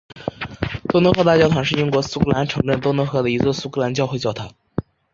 多诺赫大教堂是英国苏格兰城镇多诺赫的一座苏格兰教会教堂。